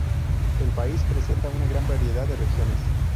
El país presenta una gran variedad de regiones.